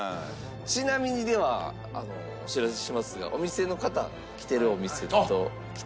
ちなみにではお知らせしますがお店の方来てるお店と来てないお店ってある。